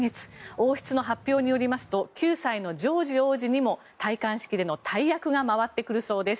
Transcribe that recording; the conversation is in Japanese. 王室の発表によりますと９歳のジョージ王子にも戴冠式での大役が回ってくるそうです。